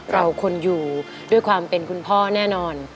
เราควรอยู่ด้วยความเป็นคุณพ่อแน่นอน